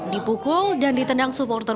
dipukul dan ditendang supporter